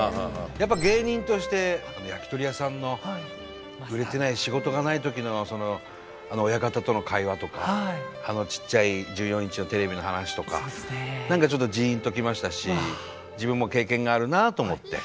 やっぱ芸人として焼き鳥屋さんの売れてない仕事がないときのあの親方との会話とかあのちっちゃい１４インチのテレビの話とか何かちょっとじんときましたし自分も経験があるなあと思って。